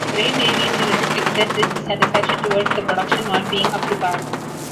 Ray Davies has expressed his dissatisfaction towards the production not being up to par.